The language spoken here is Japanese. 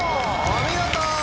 お見事！